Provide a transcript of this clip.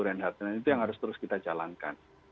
ren hatten dan itu yang harus terus kita jalankan